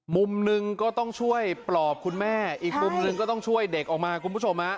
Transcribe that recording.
มุมหนึ่งก็ต้องช่วยปลอบคุณแม่อีกมุมหนึ่งก็ต้องช่วยเด็กออกมาคุณผู้ชมฮะ